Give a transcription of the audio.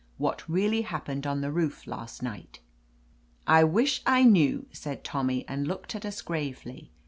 What really happened on the roof last night ?"' "I wish I knew!" said Tommy, and looked at us gravely.